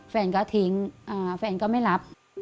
แฟนก็ทิ้งแฟนก็ไม่รับ